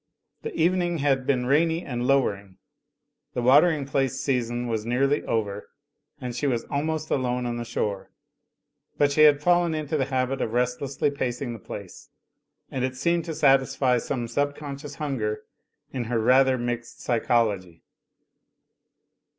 The even ing had been rainy and lowering; the watering place season was nearly over; and she was almost alone on the shore ; but she had fallen into the habit of rest lessly pacing the place, and it seemed to satisfy some subconscious hunger in her rather mixed psychology.